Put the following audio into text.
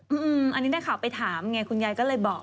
อือออออันนี้ได้ข่าวไปถามไงคุณยายก็เลยบอก